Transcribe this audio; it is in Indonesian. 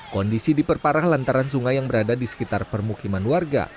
kondisi diperparah lantaran sungai yang berada di sekitar permukiman warga